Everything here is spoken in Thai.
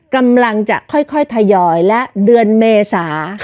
กำลังจะค่อยทยอยและเดือนเมษา